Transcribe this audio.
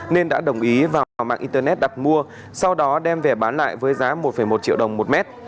nên đã đồng ý vào mạng internet đặt mua sau đó đem về bán lại với giá một một triệu đồng một mét